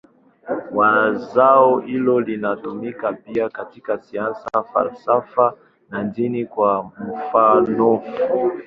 Wazo hilo linatumika pia katika siasa, falsafa na dini, kwa mfanof.